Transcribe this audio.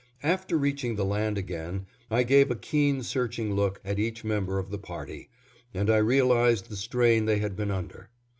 After reaching the land again, I gave a keen searching look at each member of the party, and I realized the strain they had been under.